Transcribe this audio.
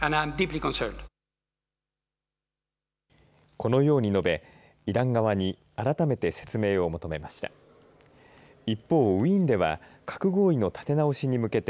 このように述べイラン側にあらためて説明を求めました。